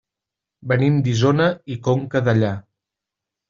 Venim d'Isona i Conca Dellà.